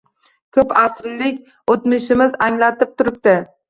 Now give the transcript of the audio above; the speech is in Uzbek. Koʻp asrlik oʻtmishimiz anglatib turibdi